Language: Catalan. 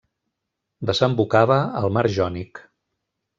Desembocava al mar Jònic.